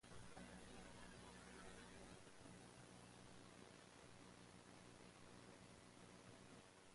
It contains the Church of Saint Swithin and Ganarew Manor.